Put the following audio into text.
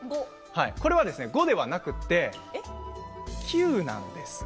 これは五ではなくて九なんです。